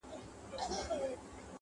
له کچکول سره فقېر را سره خاندي,